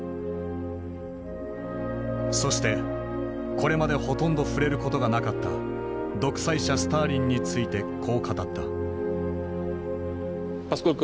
そしてこれまでほとんど触れることがなかった独裁者スターリンについてこう語った。